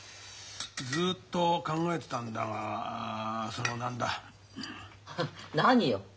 ずっと考えてたんだがその何だ。何よ。